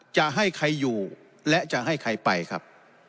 จะให้ใครอยู่และจะให้ใครไปครับ